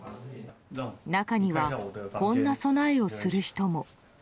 中には、こんな備えをする人も。